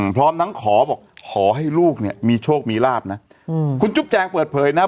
พร้อมทั้งขอบอกขอให้ลูกเนี่ยมีโชคมีลาบนะคุณจุ๊บแจงเปิดเผยนะ